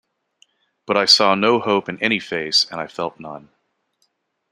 But I saw no hope in any face, and I felt none.